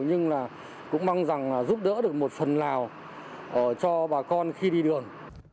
nhưng là cũng mong rằng giúp đỡ được một phần nào cho bà con khi đi đường